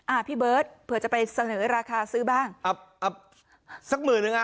อ่าพี่เบิร์ตเผื่อจะไปเสนอราคาซื้อบ้างอับอับสักหมื่นนึงอ่ะ